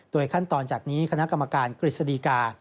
ขั้นตอนจากนี้คณะกรรมการกฤษฎีกา